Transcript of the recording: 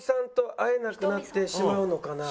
「会えなくなってしまうのかなぁ」。